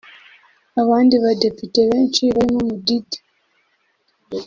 Abandi badepite benshi barimo Mudidi